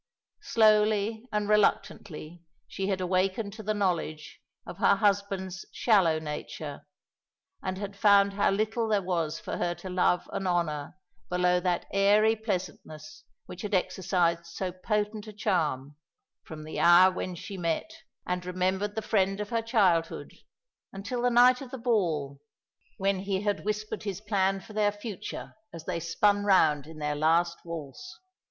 Slowly and reluctantly she had awakened to the knowledge of her husband's shallow nature, and had found how little there was for her to love and honour below that airy pleasantness which had exercised so potent a charm, from the hour when she met and remembered the friend of her childhood, until the night of the ball, when he had whispered his plan for their future as they spun round in their last waltz.